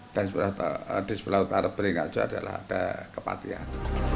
dan di sebelah utara beringarjo adalah ada kepatian